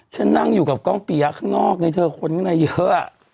นั่งอยู่กับกล้องปียะข้างนอกไงเธอคนข้างในเยอะ